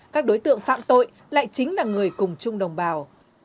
các đối tượng phạm tội lại chính là người cùng chung đồng bào